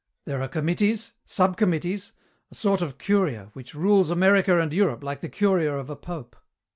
There are committees, subcommittees, a sort of curia, which rules America and Europe, like the curia of a pope.